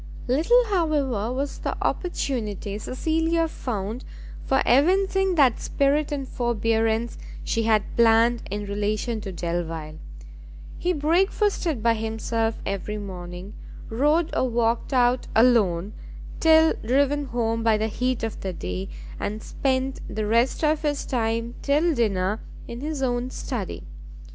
Little, however, was the opportunity Cecilia found, for evincing that spirit and forbearance she had planned in relation to Delvile; he breakfasted by himself every morning, rode or walked out alone till driven home by the heat of the day, and spent the rest of his time till dinner in his own study.